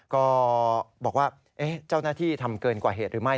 ก็บอกว่าเจ้าหน้าที่ทำเกินกว่าเหตุหรือไม่